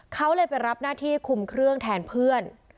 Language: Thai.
เขาเลยไปรับหน้าที่คุมเครื่องแทนเพื่อน